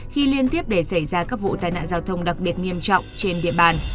khi liên tiếp để xảy ra các vụ tai nạn giao thông đặc biệt nghiêm trọng trên địa bàn